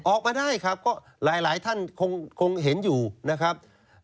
ออกมาได้ครับก็หลายท่านคงเห็นอยู่นะครับ